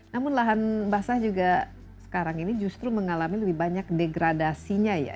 namun lahan basah juga sekarang ini justru mengalami lebih banyak degradasinya ya